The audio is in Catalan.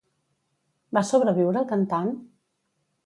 Va sobreviure el cantant?